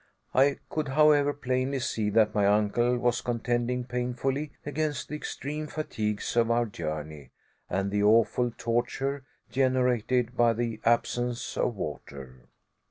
I could, however, plainly see that my uncle was contending painfully against the extreme fatigues of our journey, and the awful torture generated by the absence of water.